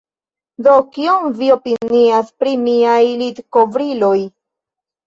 Do, kion vi opinias pri miaj litkovriloj?